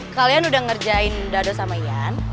kalian udah ngerjain dado sama ian